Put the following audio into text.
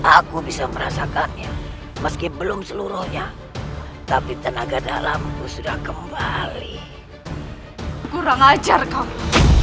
aku bisa merasakannya meski belum seluruhnya tapi tenaga dalamku sudah kembali kurang ajar kamu